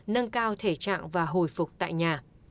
nâng cao thể trạng và hồi phục tại nhà